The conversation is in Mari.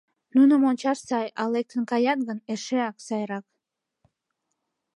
Нуным ончаш сай, а лектын каят гын, эшеат сайрак!